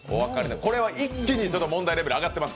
一気に問題レベル、上がってます。